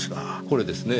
これですね。